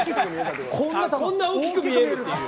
こんなに大きく見える。